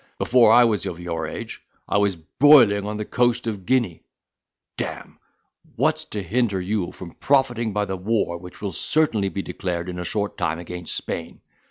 Before I was of your age I was broiling on the coast of Guinea. D—e! what's to hinder you from profiting by the war which will certainly be declared in a short time against Spain?